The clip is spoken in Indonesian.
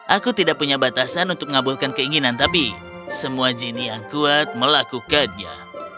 aku tidak punya batasan untuk mengabulkan keinginan tapi semua jenny yang kuat melakukannya